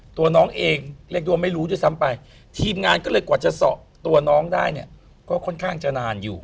ตัวน้องเองเรียกตัวไม่รู้ด้วยซ้ำไปทีมงานก็เลยกว่าจะสอบตัวน้องได้เนี่ยก็ค่อนข้างจะนานอยู่